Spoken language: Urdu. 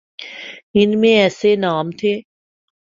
ان میں ایسے نام تھے۔